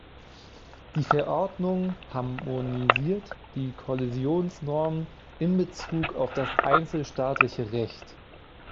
Die Verordnung harmonisiert die Kollisionsnormen in Bezug auf das einzelstaatliche Recht.